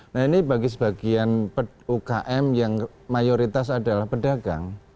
nah ini bagi sebagian ukm yang mayoritas adalah pedagang